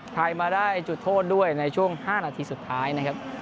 ไทยมาได้จุดโทษด้วยในช่วง๕นาทีสุดท้ายนะครับ